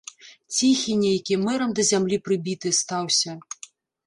Ціхі нейкі, мэрам да зямлі прыбіты, стаўся.